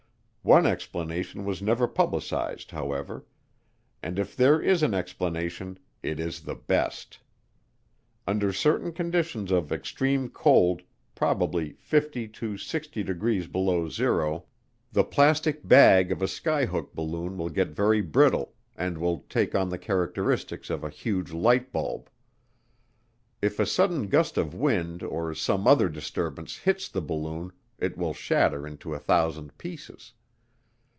One explanation was never publicized, however, and if there is an explanation, it is the best. Under certain conditions of extreme cold, probably 50 to 60 degrees below zero, the plastic bag of a skyhook balloon will get very brittle, and will take on the characteristics of a huge light bulb. If a sudden gust of wind or some other disturbance hits the balloon, it will shatter into a thousand pieces.